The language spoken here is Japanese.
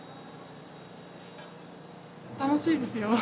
楽しいですよ。